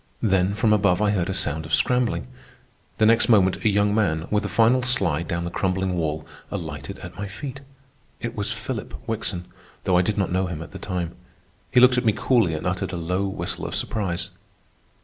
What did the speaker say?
Then from above, I heard a sound of scrambling. The next moment a young man, with a final slide down the crumbling wall, alighted at my feet. It was Philip Wickson, though I did not know him at the time. He looked at me coolly and uttered a low whistle of surprise.